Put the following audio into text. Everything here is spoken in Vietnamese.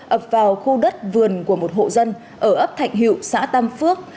ập vào khu đất vườn của một hộ dân ở ấp thạnh hữu xã tam phước